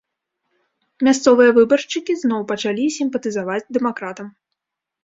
Мясцовыя выбаршчыкі зноў пачалі сімпатызаваць дэмакратам.